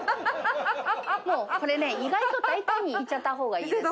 これね、意外と大胆にいっちゃったほうがいいです。